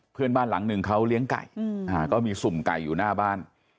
เพื่อนบ้านหลังหนึ่งเขาเลี้ยงไก่ก็มีสุ่มไก่อยู่หน้าบ้าน